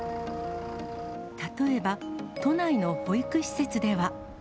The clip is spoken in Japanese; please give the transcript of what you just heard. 例えば都内の保育施設では。